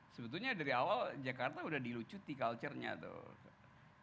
sebetulnya dari awal jakarta udah dilucuti culture nya tuh